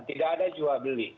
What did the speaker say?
tidak ada jual beli